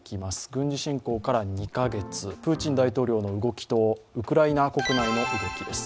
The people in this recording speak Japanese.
軍事侵攻から２カ月、プーチン大統領の動きとウクライナ国内の動きです。